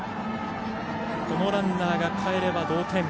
このランナーがかえれば同点。